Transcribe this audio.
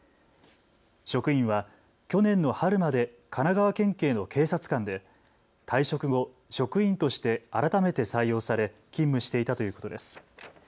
職員は去年の春まで神奈川県警の警察官で退職後、職員として改めて採用され勤務していたということです。